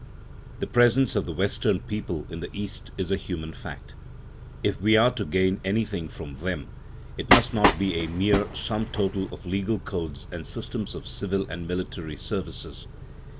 The presence of the Western people in the East is a human fact. If we are to gain anything from them, it must not be a mere sum total of legal codes and systems of civil and military services.